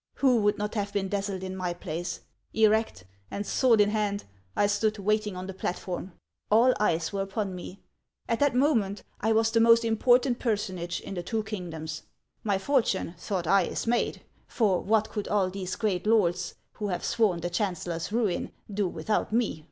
Who would not have been dazzled in my place ? Erect, and sword in hand, I stood waiting on the platform. All eyes were upon me ; at that moment I was the most important personage in the two kingdoms. My fortune, thought I, is made ; for what could all these great lords, who have sworn the chancellor's ruin, do without me